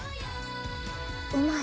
うまい！